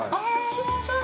◆ちっちゃい。